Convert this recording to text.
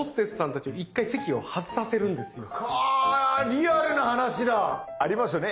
銀座のあリアルな話だ。ありますよね